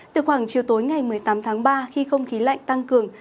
từ khoảng chiều tối ngày một mươi tám tháng ba khi không khí lạnh tăng cường